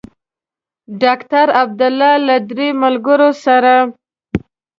ډاکټر عبدالله له درې ملګرو سره.